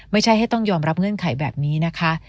ไม่ใช่ให้ต้องยอมรับเงื่อนไขแบบนี้นะคะ